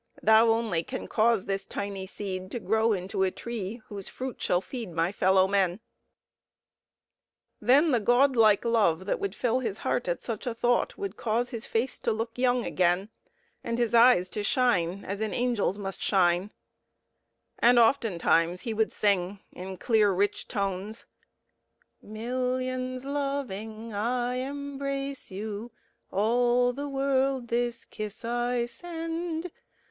Thou only can cause this tiny seed to grow into a tree whose fruit shall feed my fellow men." Then the God like love that would fill his heart at such a thought would cause his face to look young again, and his eyes to shine as an angel's eyes must shine, and oftentimes he would sing in clear rich tones "Millions loving, I embrace you, All the world this kiss I send!